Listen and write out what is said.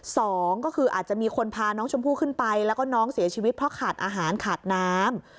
สองก็คืออาจจะมีคนพาน้องชมพู่ขึ้นไปแล้วก็น้องเสียชีวิตเพราะขาดอาหารขาดน้ำ